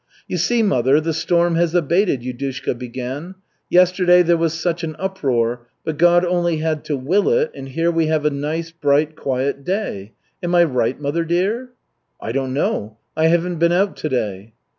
"You see, mother, the storm has abated," Yudushka began. "Yesterday there was such an uproar, but God only had to will it, and here we have a nice, bright, quiet day. Am I right, mother dear?" "I don't know. I haven't been out to day."